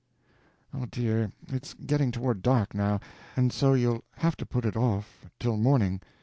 —" "Oh, dear, it's getting toward dark, now, and so you'll have to put it off till morning.